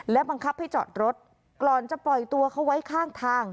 บังคับให้จอดรถก่อนจะปล่อยตัวเขาไว้ข้างทาง